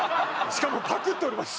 しかもパクっております